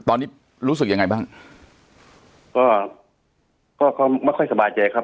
ตอนนี้รู้สึกยังไงบ้างก็ก็ไม่ค่อยสบายใจครับ